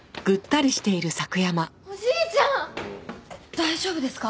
大丈夫ですか？